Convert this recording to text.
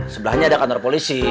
sebelahnya ada kantor polisi